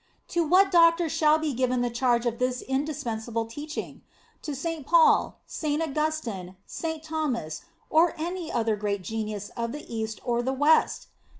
To what doctor shall be given the charge of this indispensable teaching? To St. Paul, St. Augustin, St. Thomas, or any other great genius of the East or the West?